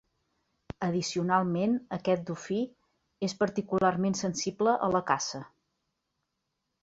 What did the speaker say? Addicionalment, aquest dofí és particularment sensible a la caça.